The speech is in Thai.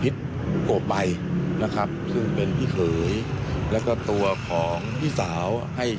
ทีนี้ก็ไม่อยากจะให้ข้อมูลอะไรมากนะกลัวจะเป็นการตอกย้ำเสียชื่อเสียงให้กับครอบครัวของผู้เสียหายนะคะ